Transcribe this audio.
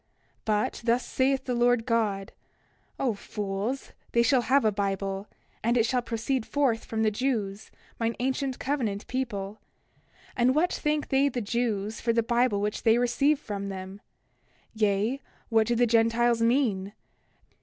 29:4 But thus saith the Lord God: O fools, they shall have a Bible; and it shall proceed forth from the Jews, mine ancient covenant people. And what thank they the Jews for the Bible which they receive from them? Yea, what do the Gentiles mean?